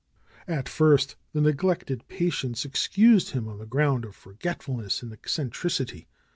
At first the neglected patients excused him on the ground of forgetfulness and eccentricity.